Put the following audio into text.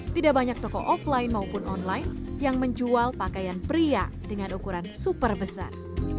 tidak banyak toko offline maupun online yang menjual pakaian pria dengan ukuran super besar